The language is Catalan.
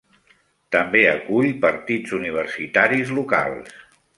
També acull partits universitaris locals.